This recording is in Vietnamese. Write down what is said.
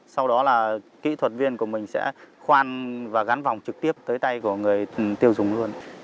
sau đó là kỹ thuật viên của mình sẽ khoan và gắn vòng trực tiếp tới tay của người tiêu dùng luôn